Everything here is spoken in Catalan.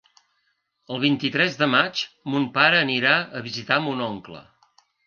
El vint-i-tres de maig mon pare anirà a visitar mon oncle.